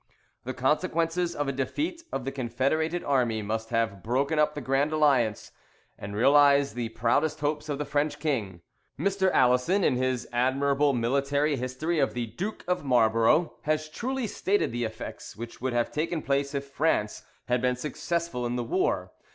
The consequences of a defeat of the confederated army must have broken up the Grand Alliance, and realised the proudest hopes of the French king. Mr. Alison, in his admirable military history of the Duke of Marlborough, has truly stated the effects which would have taken place if France had been successful in the war.